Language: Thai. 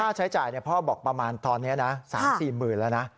ใช้จ่ายพ่อบอกประมาณตอนนี้นะ๓๔๐๐๐แล้วนะ